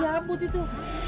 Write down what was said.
iya amut itu